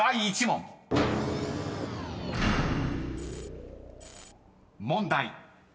［問題］